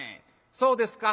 「そうですか。